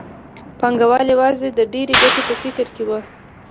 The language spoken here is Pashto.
پانګوال یوازې د ډېرې ګټې په فکر کې وو